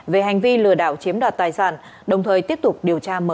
về hành vi lừa đảo chiếm đoạt tài sản đồng thời tiếp tục điều tra mở rộng vụ án